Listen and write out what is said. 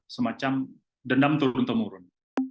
semacam dendam turun temurun